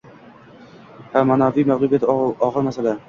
Ha, ma’noviy mag’lubiyat og’ir masala.